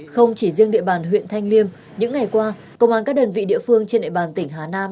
không chỉ riêng địa bàn huyện thanh liêm những ngày qua công an các đơn vị địa phương trên địa bàn tỉnh hà nam